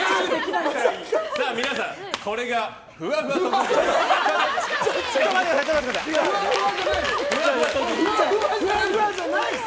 皆さんこれがふわふわ特技です。